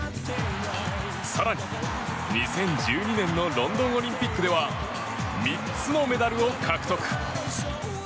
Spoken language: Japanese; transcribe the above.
更に、２０１２年のロンドンオリンピックでは３つのメダルを獲得。